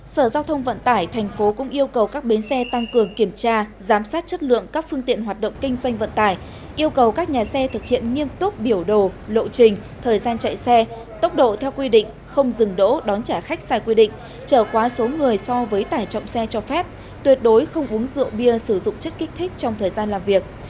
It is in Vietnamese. sở giao thông vận tải tp hcm cũng yêu cầu các bến xe tăng cường kiểm tra giám sát chất lượng các phương tiện hoạt động kinh doanh vận tải yêu cầu các nhà xe thực hiện nghiêm túc biểu đồ lộ trình thời gian chạy xe tốc độ theo quy định không dừng đỗ đón trả khách sai quy định trở quá số người so với tải trọng xe cho phép tuyệt đối không uống rượu bia sử dụng chất kích thích trong thời gian làm việc